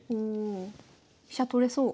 飛車取れそう。